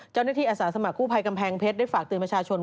เจ้าหน้าที่อาสาสมัครกู้ไพกำแพงเพชรได้ฝากเตือนประชาชนว่า